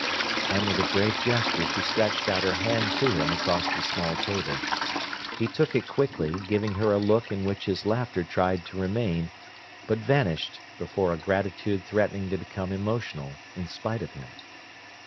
And with a brave gesture she stretched out her hand to him across the small table. He took it quickly, giving her a look in which his laughter tried to remain, but vanished before a gratitude threatening to become emotional in spite of him.